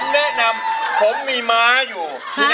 แนะนำผมมีม้าอยู่